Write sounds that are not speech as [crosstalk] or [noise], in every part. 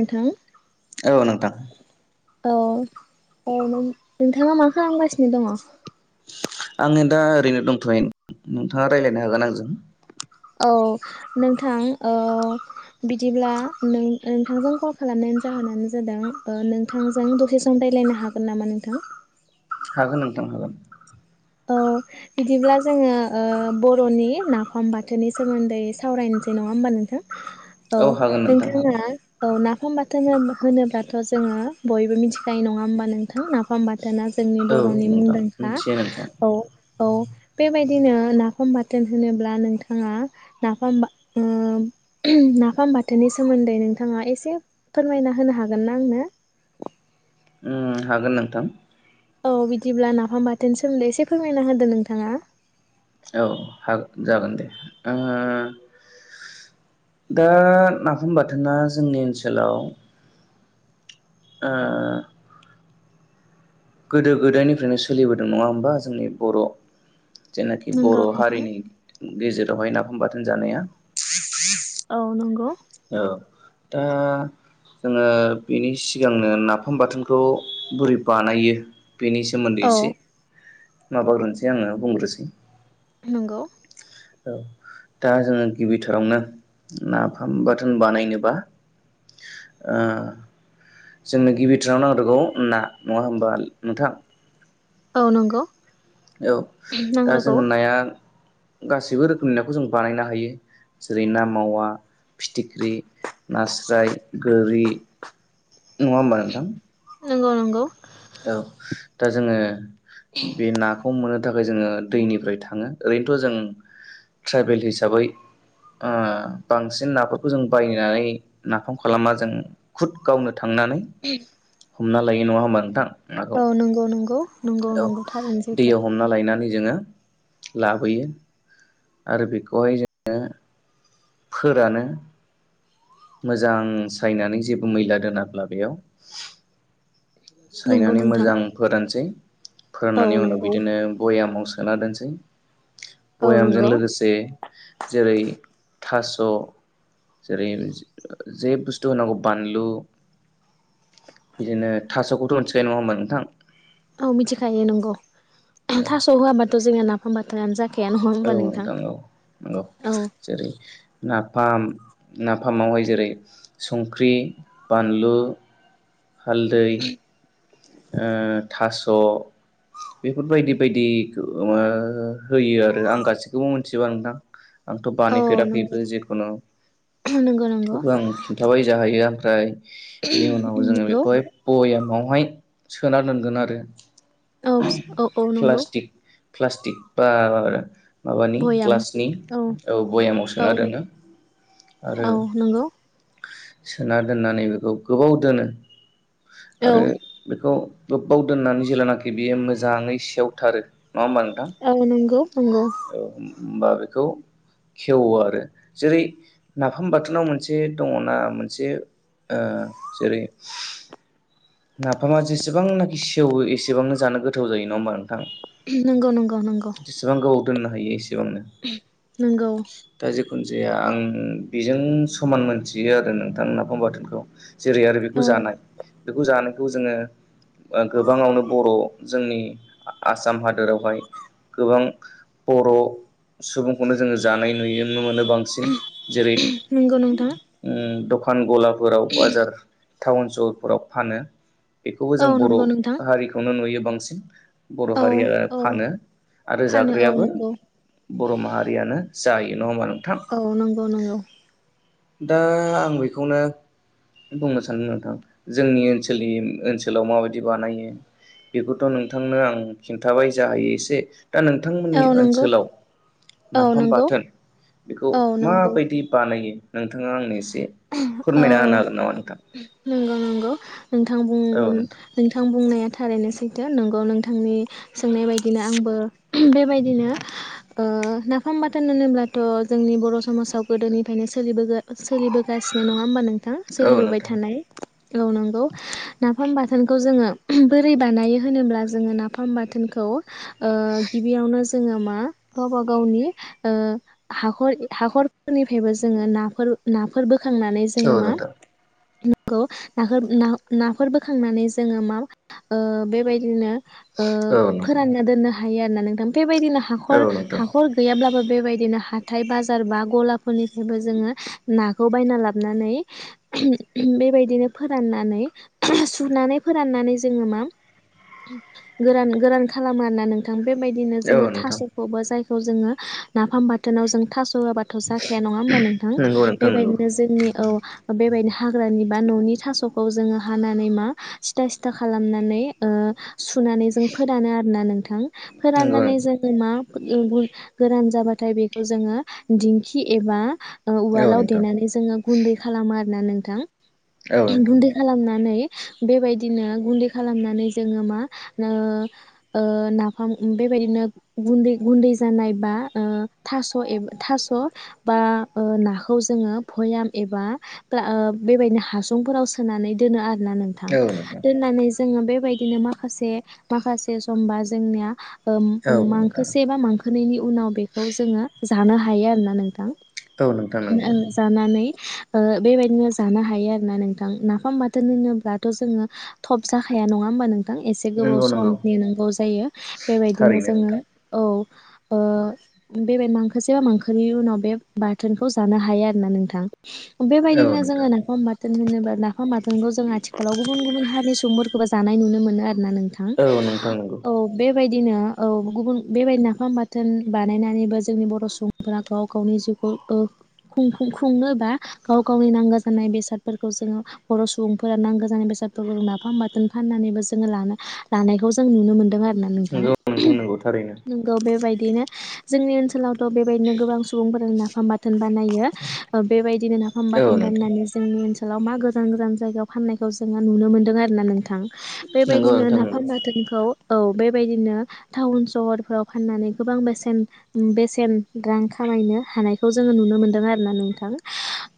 नोंथां औ नोंथां। औ औ नों नोंथाङा मा खालामगासिनो दङ? आङो दा ओरैनो दंथयो नोंथाङा रायज्लायनो हागोन आंजों। औ नोंथां ओ बिदिब्ला नोंथांजों कल खालामनायनि जाहोनानो जादों ओ नोंथांजों दसे सम राय्लायनो हागोन नामा नोंथां। हागोन नोंथां हागोन। अ बिदिब्ला जोङो ओ बरनि नाफाम बाथोननि सोमोन्दै सावरायनोसै नङा होमबा नोंथां। औ हागोन नोंथां नोंथाङा हागोन औ ना। नाफाम बाथोननो होनोब्लाथ‌ जोङो बयबो मिथिखायो नङा होमबा नोंथां नाफाम बाथोन। दाना जोंनि औ बर'नि हागोन नोंथां हागोन औ नोंथां मुंदांखा मिथियो नोंथां औ बेबायदिनो ना नाफाम बाथोन होनोब्ला नोंथाङा नाफाम बा ओ नाफाम बाथोननि सोमोन्दै नोंथाङा एसे फोरमायना होनो हागोन ना आंनो? ओ‌ हागोन नोंथां औ बिदिब्ला नाफाम बाथोन सोमोन्दै एसे फोरमायना होदो नोंथाङा। औ हाग जागोन दे आङो दा नाफुम बाथोना जोंनि ओनसोलाव ओ गोदो गोदायनिफ्रायनो सोलिबोदों नङा होमबा? जोंनि बर' जेनाखि नंगौ बर' नोंथां हारिनि गेजेरावहाय नाफाम बाथोन जानाया औ नंगौ । औ दा जोङो बेनि सिगांनो नाफाम बाथोनखौ बोरै बानायो बेनि सोमोन्दै औ एसे माबाग्रोनोसै आङो बुंग्रोसै । नंगौ ओ दा जोङो गिबिथारावनो नाफाम बाथोन बानायनोबा ओ जोंनो गिबिथाराव नाग्रगौ ना नङा होमबा नोंथां? औ नंगौ औ दा नांग्रोगौ जोङो नाया गासैबो रोखोमनो नाखौ जों बानायनो हायो जेरै ना मावा, फिथिख्रि, नास्राय, गोरि नङा होमबा नोंथां? नंगौ नंगौ औ दा जोङो बे नाखौ मोनो थाखाय जोङो दैनिफ्राय थाङो ओरैनोथ' जों ट्राइबेल हिसाबै ओ बांसिन नाफोरखौ जों बायनानै नाफाम खालामा जों खुद गावनो थांनानै हमना लायो नङा होमा नोंथां? नाखौ औ नंगौ नंगौ नंगौ औ नंगौ थारैनो सैथो दैयाव । हमना लायनानै जोङो लाबोयो आरो बेखौहाय जोङो फोरानो मोजां सायनानै जेबो मैला दोनाब्ला बेयाव । नंगौ सायनानै नोंथां मोजां फोरानसै फोरान औ नानै उनाव नंगौ बिदिनो बयामाव सो ना दोनसै । औ भयामजों नंगौ लोगोसे जेरै थास' जेरै जे बुस्थु होनांगौ बानलु बिदिनो थास'खौथ' मोनथिखायो नङा होबान नोंथां? औ मिथिखायो नंगौ थास' होआबाथ' जोङो ना फाम बाथोनानो जाखा औ थांग नंगौ औ जेरै नाफाम नाफामावहाय जेरै संख्रि बानलु हालदै ओ थास' बेफोरबायदि बायदि ओ होयो आरो आं गासैखौबो मोनथिजुबा नोंथां । आंथ' औ नंगौ बानायफेराखैबो जेखुनु नंगौ नंगौ थेवबो आं खिन्थाबाय जाहायो आं ओमफ्राय बिनि उनाव जोङो नंगौ बेखौहाय बयाम बयामावहाय सोना दोनगोन आरो। औ औ औ नंगौ। प्लास्टिक प्लास्टिक बा माबानि भयाम ग्लासनि औ बयामाव औ सोना दोनो आरो औ नंगौ सोना दोननानै बेखौ गोबाव दोनो। औ आरो बेखौ गोब्बाव दोननानै जेेलानाखि बियो मोजाङै सेवथारो नङा होमबा नोंथां औ नंगौ नंगौ। औ होमबा बेखौ खेवो आरो जेरै नाफाम बाथोनाव मोनसे दङना मोनसे ओ जेरै नाफामा जेसेबांनाखि सेवो एसेबांनो जानो गोथाव जायो नङा होमबा? नोंथां नंगौ नंगौ नंगौ। जेसेबां गोबाव दोननो हायो एसे नंगौ। जिखुनो जाया आं बेजों समान मोनथियो आरो नोंथां नाफाम बाथोनखौ। जेरै आरो बेखौ औ जानाय जानायखौ जोङो ओ गोबाङावनो बर' जोंनि आ-आसाम हादोरावहाय गोबां बर' सुबुंखौनो जोङो जानाय नुयो। नुनो मोनो बांसिन जेरै नंगौ नोंथां दखान गला फोराव बाजार टाउन सहरफोराव फानो। बेखौबो औ जों बर' नंगौ नोंथां हारिखौनो नुयो। बांसिन बर' औ हारिया औ फानो आरो फानो औ जाग्रायाबो नंगौ बर' माहारियानो। जायो नङा होमबा नों औ नंगौ नंगौ। दा आं बेखौनो बुंनो सानदों नोंथां जोंनि ओनसोलनि ओनसोलाव माबायदि बानायो बेखौथ' नोंथांनो आं खिन्थाबाय जाहायो एसे। दा औ नोंथांमोननि नंगौ ओनसोलाव औ नाफाम नंगौ बाथोन बेखौ औ नंगौ माबायदि बानायो? नोंथाङा आंनो एसे फोरमायना औ होनो हागोन नामा नोंथां? नंगौ नंगौ नोंथां बुं नोंथां बुंनाया थारैनो सैथो। नंगौ नोंथांनि सोंनाय बयदिनो आंबो बेबायदिनो ओ नाफाम बाथोन होनोब्लाथ' जोंनि बर' समाजाव गोदोनिफ्रायनो सोलिबो गा सोलिबोगासिनो नङा होमबा नों थां औ सोलिबोबाय नोंथां थानाय औ नंगौ। ना नाफाम बाथोनखौ जोङो बोरै बानायो होनोब्ला जोङो नाफाम बाथोनखौ । ओ गिबिआवनो जोङो मा गावबा गावनि ओ हाखर हाखरफोरनिफ्रायबो जोङो नाफोर ना खांनानै जोङो औ मा नोंथां खौ नाहो ना नाफोर बोखांनानै जोङो मा ओ बेबायदिनो । ओ औ नोंथां औ नोंथां फोरानना दोननो हा हायो आरोना नोंथां । बेबायदिनो हाखर औ नोंथां हाखर गैयाब्लाबो बेबायदिनो हाथाय बाजार बा गलाफोरनि फायबो जोङो नाखौ बायना लाबनानै बेबायदिनो फोराननानै सुनानै फोराननानै जोङो मा गोरान गोरान खालामो आरोना नोंथां । बेबायदिनो औ जोङो नोंथां थास'खौबो जाय खौ जोङो नाफाम बाथोनाव जोङो थास' होआबाथ' जाखाया नङा होमबा नोंथां? नंगौ नोंथां बेबायदिनो नंगौ जोंनि औ बे बायदिनो हाग्रानि बा न'नि थास'खौ जोङो हानानै मा सिथा सिथा खालामनानै ओ सुनानै जों फोरानो आरोना नोंथा । फोराननानै जों मा! [unintelligible] गोरान जाबाथाय बेखौ जोङो दिंखि एबा ओ नंगौ उवालाव नोंथां देनानै जोङो गुन्दै खालामो आरो । ना नोंथां औ । नोंथां गुन्दै खालामनानै । बेबायदिनो गुन्दै खालामनानै जोङो मा नो ओ नाफाम बेबायदिनो गुन्दै गुन्दै जानाय बा ओ थास' एब थास' बा ओ नाखो खौ जोङो भयाम एबा फ्ला बेबायदिनो हासुंफोराव सोनानै दोनो आरो। ना नोंथां दोननानै । जोङो बेबायदिनो माखासे माखासे समबा जोंनिया औ नोंथां औ ओ नोंथां मांखोसे बा मांखोनैनि उनाव बेखौ जोङो जानो हायो आरोना नोंथां। औ नोंथां ओ नंगौ जानानै। ओ बेबायदिनो जानो हायो आरोना नोंथां नाफाम बाथोन होनोब्लाथ' जोङो थ'ब जाखाया नङा होमबा नों थां एसे गोबाव नंगौ नंगौ सम नेनांगौ जायो बेबायदिनो थारैनो जोङो नोंथां औ। ओ बेबे मांखोसेबा मांखोनैनि उनाव बे बाथोन खौ जानो हायो आरोना नोंथां। औ बेबायदिनो जोङो नोंथां नाफाम बा थोन होनोबा ना फाम बाथोनखौ जों आथिखालाव गुबुन गुबुन हारिनि सुबुं फोरखोबो जानाय नुनो मोनो आरो। ना नोंथां औ नोंथां नंगौ औ बे बायदिनो औ गुबुन बेबायदि नाफाम बाथोन बानायनानैबो जोंनि बर' सुबुंफोरा गाव गावनि जिउखौ ओ खुंफुं खुंनोबा गाव गावनि नांगो जानाय बेसादफोरखौ जोङो बर' सुबुंफोरा नांगो जानाय बेसादफोरखौ जों नाफाम बाथोन फाननानैबो जोङो लानो लानायखौ जों नुनो मोनदों आरो ना नोंथां नंगौ नोंथां उम नंगौ थारैनो नोंगौ बेबाय दिनो जोंनि ओन सोलावथ' बेबायदिनो गोबां सुबुंफोर होमबाना बानायो ओ बेबायदिनो नाफाम औ बाथोन नोंथां बानायनानै जोंनि ओन सोलाव मा गोजान गोजान जायगायाव फाननायखौ जोङो नुनो मोनदों आरोना नोंथां। नंगौ बेबायदिनो नोंथां नाफाम बाथोनखौ औ बेबायदिनो टाउन सहरफोराव फाननानै गोबां बेसेन बेसेन रां खामायनो हानाय खौ जोङो नुनो मोन्दों आरोना नोंथां।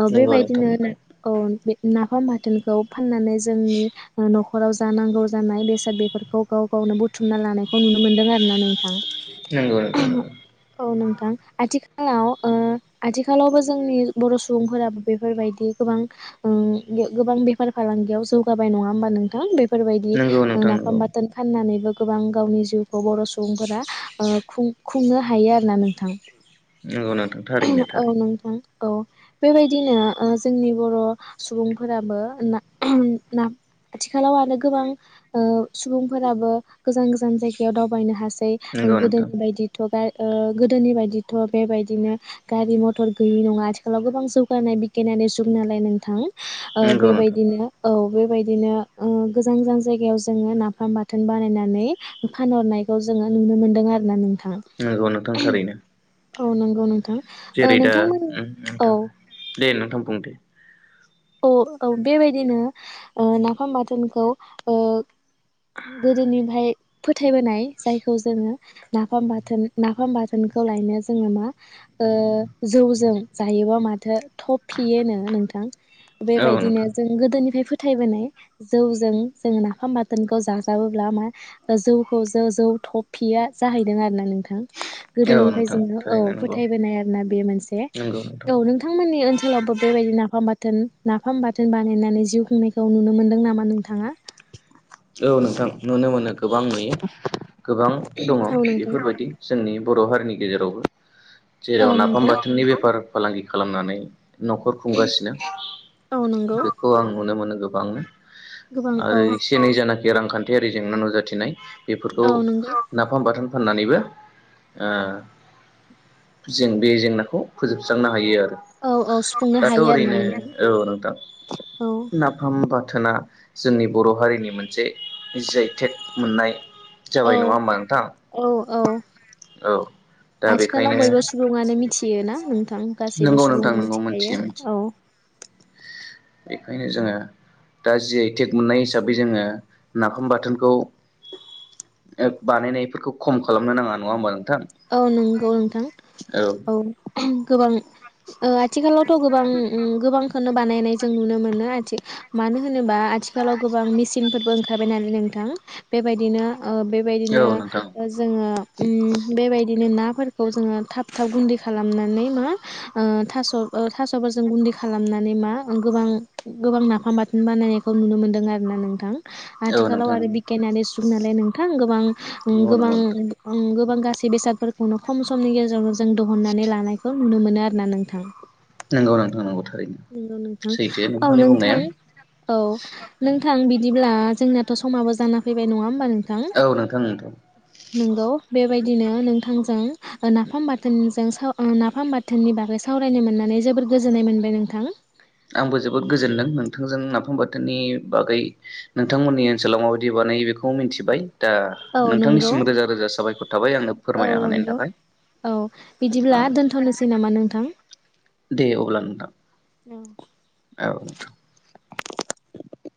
ओ नंगौ नंगौ नोंथां बेबायदिनो नंगौ औ बे नाफाम बाथोनखौ फाननानै जोंनि ओ न' खराव जानांगौ जानाय बेसाद बेफोरखौ गाव गावनो बुथुमना लानायखौ नुनो मोन्दों आरोना नोंथां। नोंगौ नोंथां नोंगौ। थां आथिखालाव ओ आथिखालावबो जोंनि बर' सुबुंफोराबो बेफोरबायदि गोबां ओं गियो गोबां बेफार फालांगियाव जौगाबाय नङा होमबा नोंथां बे फोरबायदि नंगौ ओ नोंथां नाफाम नंगौ बाथोन फाननानैबो गोबां गावनि जिउखौ बर' सुबुंफोरा ओ खुं खुंनो हायो आरोना नोंथां। नोंगौ नों उम औ नोंथां औ बेबायदिनो ओ जोंनि बर' सुबुंफोराबो ना उम नाफ आथिखालाव आरो गोबां ओ सुबुंफोराबो गोजान गोजान जायगायाव दावबायनो हा सै नंगौ नोंथां गोदोनिबायदिथ' [unintelligible] ओ गोदोनिबायदिथ' बेबायदिनो गारि मथर गैयि नङा आथिखालाव गोबां जौगानाय बिगगियानारि जुग नालाय नोंथां ओ नंगौ नोंथां बेबायदिनो औ बेबायदिनो ओ गोजान गोजान जायगायाव जोङो नाफाम बाथोन बानायनानै फानहरनायखौ जोङो नुनो मोनदों आरना नों नंगौ नोंथां थारैनो औ नंगौ नों जेरै दा उम नोंथां दे नोंथां बुंं दे औ औ बेबायदिनो ओ नाफाम बाथोनखौ ओ गोदोनिफ्राय फोथ थायबोनाय जायखौ जोङो नाफाम बाथोन नाफाम बाथोनखौ लायनो जोङो मा ओ जौजों जायोबा माथ थो थब फियनो नों औ बेबायदिनो नोंथां जों गोदोनिफ्राय फोथ थायबोनाय जौजों जोङो नाफाम बाथोनखौ जाजाबोब्ला मा जौखौ जो जौ थफ फिया जाहैदों आरोना नोंथा थां औ गोदोनिफ्राय नोंथां जोङो औ थारैनो नंगौ फोथायबोनाय आरोना बे मोनसे नंगौ नोंथां औ नोंथांमोननि ओनसोलावबो बेबायदि नाफाम बाथ थोन नाफाम बाथोन बानायनानै जिउ खुंनायखौ नुनो मोनदों नामा नोंथाङा औ नोंथां नुनो मोनो गोबां नुयो गोबां दङ औ नोंथां बेफोरबायदि जोंनि बर' हारिनि गेजेरावबो औ जेराव नाफाम नंगौ बाथोननि बेफार फालांगि खालामनानै न'खर खुंगासिनो औ नंगौ बेखौ आं नुनो मोनो गोबांनो गोबां आरो औ एसे एनै जानाखि रांखान्थियारि जेंना नुजाथिनाय बेफोरखौ औ नंगौ नाफाम बाथोन फाननानैबो ओ जों बे जेंनाखौ फोजोबस्रांनो हायो आरो औ औ सुफुंनो दाथ' हायो आरोना ओरैनो नोंथां औ नोंथां औ नाफाम बाथ थोना जोंनि बर' हारिनि मोनसे जैथेक मोननाय औ जाबाय नङा होमबा नोंथां औ औ औ दा बेखायनो आथिखालाव बयबो सुबुङानो मिथियोना थां गासैबो नंगौ नोंथां सुबुङा नंगौ मिथिखायो मिथियो मिथियो औ बेखायनो जोंङो दा जि आइ टेक मोननाय हिसाबै जोंङो नाफाम बाथोनखौ ओ बानायनायफोरखौ खम खालामनो नाङा नङा होमबा नों औ नंगौ नोंथां औ गोबां ओ आथिखालाव थ' गोबां अम गोबांखोनो बानायनाय जों नुनो मोनो आथि मानो होनोबा आथिखालाव गोबां मेसिनफोरबो ओं खारबायनालाय नोंथां बेबायदिनो ओ औ बेबायदिनो नोंथां ओ जोंङो अम बेबायदिनो नाफोरखौ जोंङो थाब थाब गुन्दै खालामनानै मा ओ थास' ओ थास'फोरजों गुन्दै खालामनानै मा गोबां गोबां नाफाम बाथोन बानायनायखौ नुनो मोनदों आरोना नोंथां। औ आथिखालाव नोंथां आरो बिगियानानै जुगनालाय नोंथां नंगौ नंगौ नोंथां गोबां-गोबां-गोबां बां गा सि बेसादफोरखौनो खम समनि गेजेरावनो जों दिहुननानै लानायखौ नुनो मोनो आरो ना नोंथां। नंगौ नोंथां नंगौ थारैनो नंगौ नोंथां सैथो औ नोंथांनि बुंनाया नोंथां औ नोंथां बिदि ब्ला जोंनाथ' समाबबो जाना फैबाय नङा होमबा नों औ नोंथां अम नोंगौ बेबायदिनो नोंथांजों नाफाम बाथोनजों साव नाफाम बाथोननि बागै सावरायनो मोननानै जोबोर गोजोननाय मोनबाय नों थां आंबो जोबोद गोजोनदों नोंथांजों नाफाम बाथोननि बागै नोंथांमोननि ओनसोलाव माबायदि बानायो बेखौ मिनथिबाय दा औ नंगौ नोंथांनिसिम रोजा-रोजा साबायखर थाबाय आंनो औ फोरमायनो हानायनि नंगौ थाखाय औ बिदिब्ला औ दोनथ'नोसै नामा नोंथां दे अब्ला नोंथां औ औ